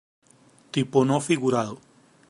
Tipo no figurado.